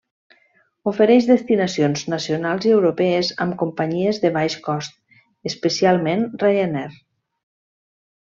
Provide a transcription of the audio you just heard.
Ofereix destinacions nacionals i europees amb companyies de baix cost, especialment Ryanair.